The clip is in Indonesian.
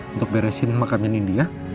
untuk beresin makamnya nindi ya